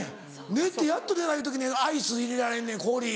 寝てやっと寝られた時にアイス入れられんねん氷。